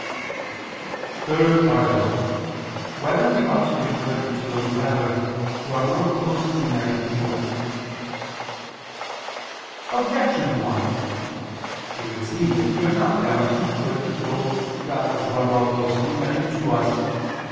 _______________________ THIRD ARTICLE [II II, Q. 31, Art. 3] Whether We Ought to Do Good to Those Rather Who Are More Closely United to Us? Objection 1: It would seem that we are not bound to do good to those rather who are more closely united to us.